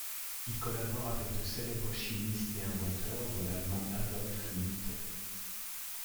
Il collabore avec de célèbres chimistes et inventeurs dont l'Allemand Adolf Miethe.